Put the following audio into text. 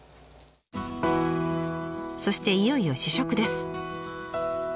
そしていよいよ試食です。